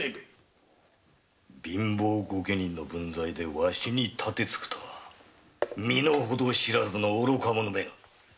貧乏御家人の分際でわしに楯突くとは身の程知らずの愚か者めが。